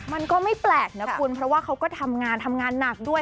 มันก็ไม่แปลกนะคุณเพราะว่าเขาก็ทำงานทำงานหนักด้วย